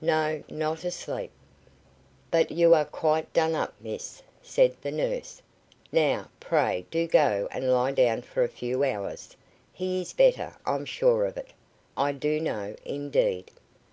"No, not asleep." "But you are quite done up, miss," said the nurse. "Now, pray do go and lie down for a few hours. He is better, I'm sure of it. I do know, indeed.